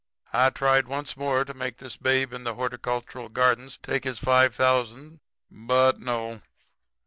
I tried once more to make this Babe in the Horticultural Gardens take his five thousand. But no.